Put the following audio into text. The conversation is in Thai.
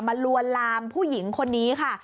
ลวนลามผู้หญิงคนนี้ค่ะ